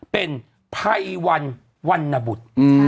เป็นภัยวันวันนบุตร